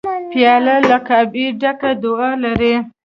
پیاله له کعبې ډکه دعا لري.